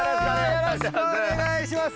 よろしくお願いします。